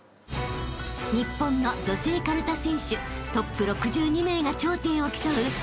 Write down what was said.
［日本の女性かるた選手トップ６２名が頂点を競う］